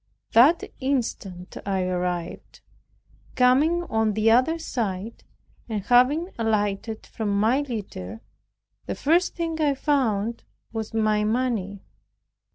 That instant I arrived, coming on the other side, and having alighted from my litter, the first thing I found was my money.